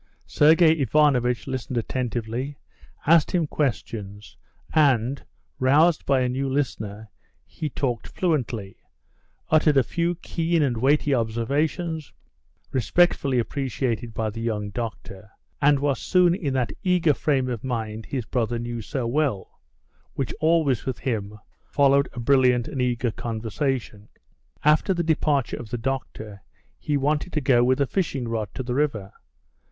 Sergey Ivanovitch listened attentively, asked him questions, and, roused by a new listener, he talked fluently, uttered a few keen and weighty observations, respectfully appreciated by the young doctor, and was soon in that eager frame of mind his brother knew so well, which always, with him, followed a brilliant and eager conversation. After the departure of the doctor, he wanted to go with a fishing rod to the river.